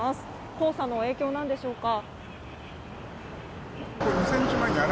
黄砂の影響なんでしょうか。